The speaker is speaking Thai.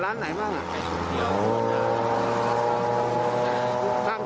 แล้วอาหารพรุ่งกินน่ะร้านไหนบ้าง